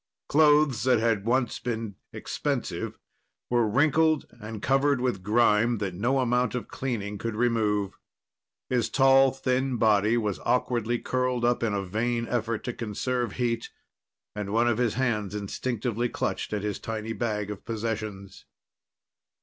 Clothes that had once been expensive were wrinkled and covered with grime that no amount of cleaning could remove. His tall, thin body was awkwardly curled up in a vain effort to conserve heat and one of his hands instinctively clutched at his tiny bag of possessions.